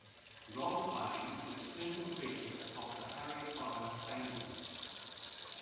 Roleplaying is a central feature of the Harry Potter fandom.